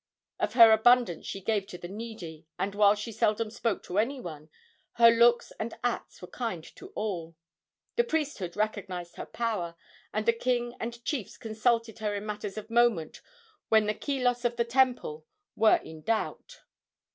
Of her abundance she gave to the needy, and, while she seldom spoke to any one, her looks and acts were kind to all. The priesthood recognized her power, and the king and chiefs consulted her in matters of moment when the kilos of the temple were in doubt.